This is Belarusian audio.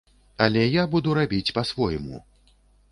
Але я буду рабіць па-свойму.